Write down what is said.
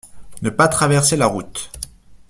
Ne pas traverser la route.